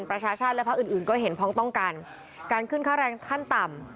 ประชาชาติและพักอื่นอื่นก็เห็นพ้องต้องกันการขึ้นค่าแรงขั้นต่ำ